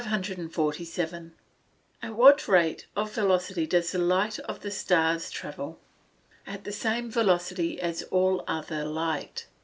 At what rate of velocity does the light of the stars travel? At the same velocity as all other light.